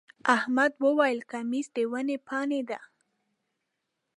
احمد وويل: کمیس د ونې پاڼې دی.